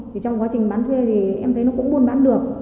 thì trong quá trình bán thuê thì em thấy nó cũng buôn bán được